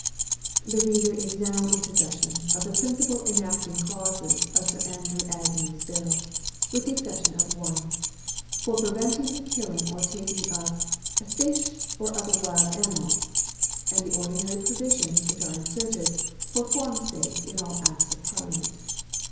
The reader is now in possession of the principal enacting clauses of Sir Andrew Agnew's bill, with the exception of one, for preventing the killing or taking of 'fish, or other wild animals,' and the ordinary provisions which are inserted for form's sake in all acts of Parliament.